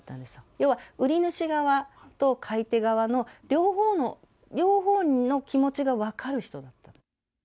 要は、売り主側と買い手側の両方の気持ちが分かる人だった。